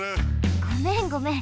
ごめんごめん。